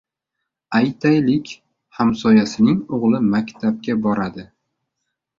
Aytaylik, hamsoyasining o‘g‘li maktabga boradi.